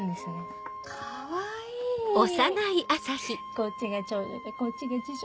こっちが長女でこっちが次女。